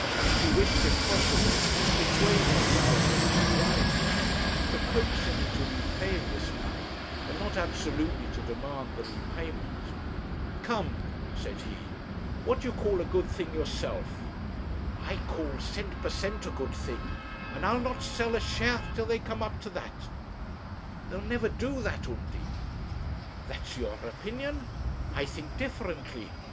He wished, if possible, to persuade him rather than to drive him; to coax him into repaying this money, and not absolutely to demand the repayment. 'Come,' said he, 'what do you call a good thing yourself?' 'I call cent per cent a good thing, and I'll not sell a share till they come up to that.' 'They'll never do that, Undy.' 'That's your opinion. I think differently.